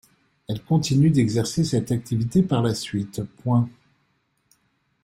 Elle continue d'exercer cette activité par la suite.